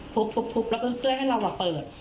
ทุบทุบทุบแล้วก็เล่าให้เราแบบเปิด